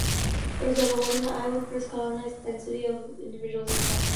For example, when an island is first colonized, density of individuals is low.